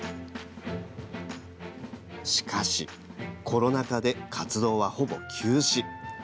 しかし、コロナ禍で活動は、ほぼ休止。